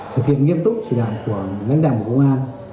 thực hiện nghiêm túc chỉ đạo của lãnh đạo bộ công an